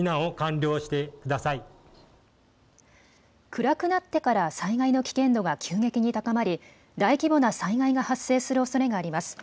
暗くなってから災害の危険度が急激に高まり大規模な災害が発生するおそれがあります。